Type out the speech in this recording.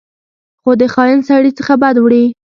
خو د خاین سړي څخه بد وړي.